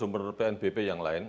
sumber pnbp yang lain